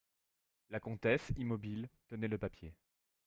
La comtesse, immobile, tenait le papier.